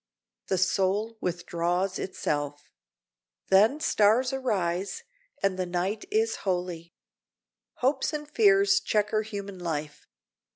The soul withdraws itself. Then stars arise, and the night is holy. Hopes and fears checker human life.